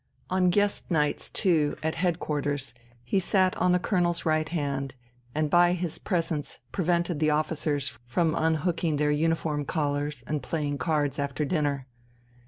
On guest nights, too, at head quarters, he sat on the colonel's right hand, and by his presence prevented the officers from unhooking their uniform collars and playing cards after dinner.